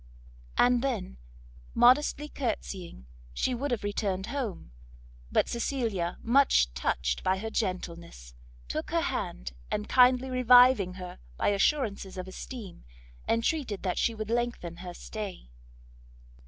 And then, modestly courtsying, she would have returned home; but Cecilia, much touched by her gentleness, took her hand, and kindly reviving her by assurances of esteem, entreated that she would lengthen her stay.